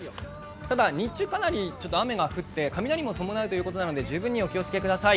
ただ、日中かなり雨も降って雷も伴うということなので十分お気をつけください。